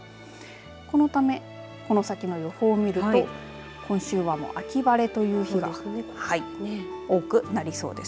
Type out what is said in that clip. このためこの先の予報を見ると今週は秋晴れという日が多くなりそうです。